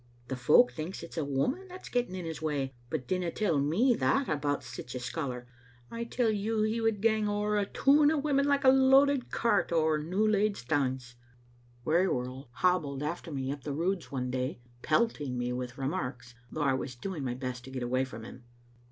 The folk thinks it's a woman that's getting in his way, but dinna tell me that about sic a scholar; I tell you he would gang ower a toon o' women like a loaded cart ower new laid stanes." Digitized by VjOOQ IC Wearyworld hobbled after me up the Roods one day, pelting me with remarks, though I was doing my best to get away from him.